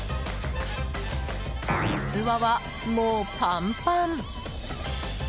器はもう、パンパン。